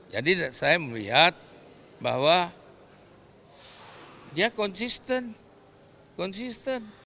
saya melihat bahwa dia konsisten konsisten